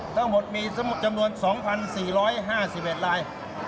ทั้งหมดมีจำนวน๒๔๕๑ลาย